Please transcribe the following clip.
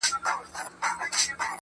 الوتني کوي.